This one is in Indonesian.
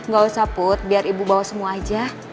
gak usah put biar ibu bawa semua aja